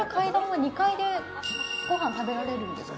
２階でごはん食べられるんですか？